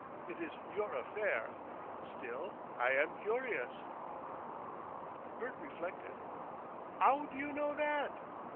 It is your affair. Still, I am curious." Bert reflected. "'Ow d'you know that?"